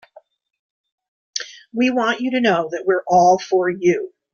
We want you to know that we're all for you.